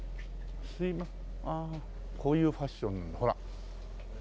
ああこういうファッションほら。